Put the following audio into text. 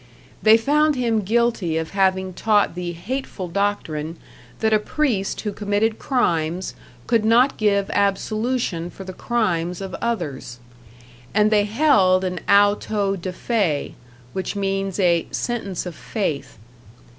They found him guilty of having taught the hateful doctrine that a priest who committed crimes could not give absolution for the crimes of others; and they held an auto de fe which means a "sentence of faith."